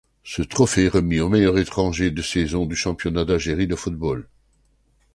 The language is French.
Ce trpophée remis au meilleur étranger de saison du Championnat d'Algérie de football.